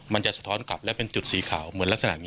สะท้อนกลับและเป็นจุดสีขาวเหมือนลักษณะนี้